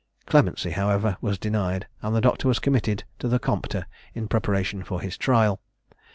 Clemency, however, was denied; and the doctor was committed to the Compter in preparation for his trial.